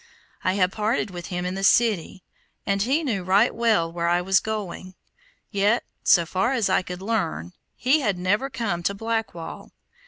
I had parted with him in the city, and he knew right well where I was going; yet, so far as I could learn, he had never come to Blackwall.